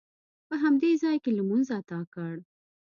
په همدې ځاې کې لمونځ ادا کړ.